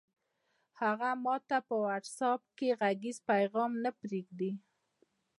هغه ماته په وټس اپ کې غږیز پیغام نه پرېږدي!